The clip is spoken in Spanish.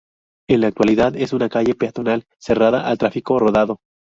En la actualidad es una calle peatonal cerrada al tráfico rodado.